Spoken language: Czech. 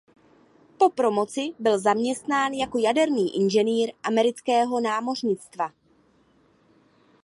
Po promoci byl zaměstnán jako jaderný inženýr amerického námořnictva.